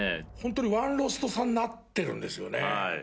ホントにワンロスト差になってるんですよね。